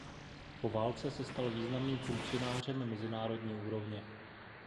Po válce se stal významným funkcionářem mezinárodní úrovně.